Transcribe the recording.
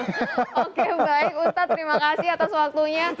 ustadz terima kasih atas waktunya